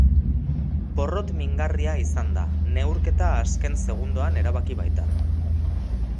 Porrot mingarria izan da, neurketa azken segundoan erabaki baita.